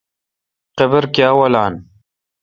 قابر کاں والان۔